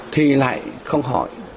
thì lại không hỏi